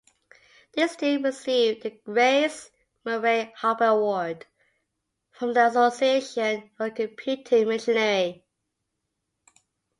This team received the Grace Murray Hopper Award from the Association for Computing Machinery.